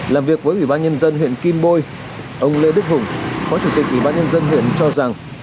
làm việc với quý bà nhân dân huyện kim bôi ông lê đức hùng phó chủ tịch quý bà nhân dân huyện cho rằng